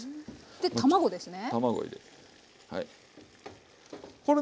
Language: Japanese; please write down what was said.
で卵ですね。